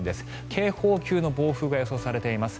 警報級の暴風が予想されています。